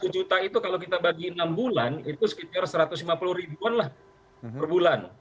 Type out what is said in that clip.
satu juta itu kalau kita bagi enam bulan itu sekitar satu ratus lima puluh ribuan lah per bulan